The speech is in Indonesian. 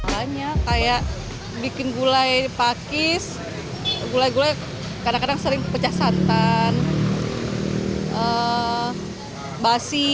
banyak kayak bikin gulai pakis gulai gulai kadang kadang sering pecah santan basi